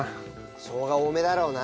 しょうが多めだろうな。